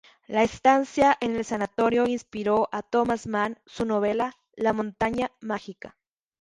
La estancia en el sanatorio inspiró a Thomas Mann su novela "La montaña mágica".